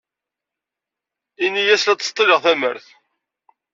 Ini-as la ttseḍḍileɣ tamart.